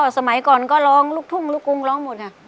สมัยก่อนก็ร้องลุกทุ่มลุกกุลุงร้องหมด